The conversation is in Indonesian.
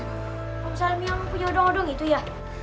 rumah nusy salim yang punya odong odong itu ya